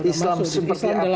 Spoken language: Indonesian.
islam seperti apa